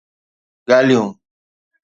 ڳالهيون